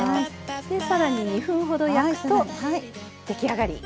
で更に２分ほど焼くと出来上がり。